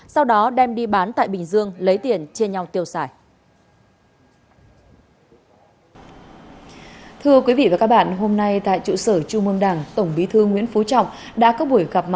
sau đó đem đi bán tại bình dương lấy tiền chia nhau tiêu xài